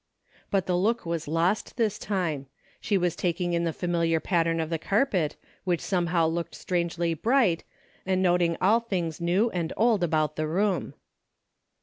But the look was lost this time. She Avas taking in the familiar pattern of the carpet, Avliich somehoAV looked strangely bright, and noting all things new and old about the room.